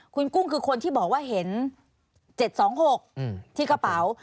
คุณกุ้งคือคนที่บอกว่าเห็น๗๒๖ที่กระเป๋า